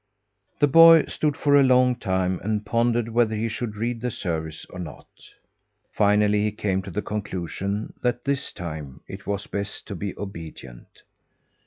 The boy stood for a long time and pondered whether he should read the service or not. Finally, he came to the conclusion that, this time, it was best to be obedient.